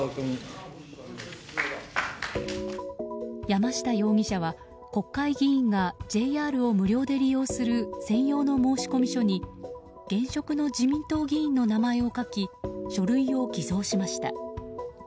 山下容疑者は国会議員がＪＲを無料で利用する専用の申込書に現職の自民党議員の名前を書き書類を偽造しました。